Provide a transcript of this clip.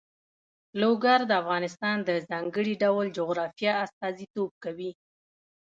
لوگر د افغانستان د ځانګړي ډول جغرافیه استازیتوب کوي.